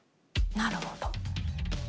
なるほど。